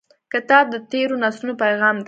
کتاب د تیرو نسلونو پیغام دی.